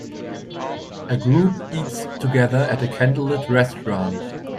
A group eats together at a candlelit restaurant.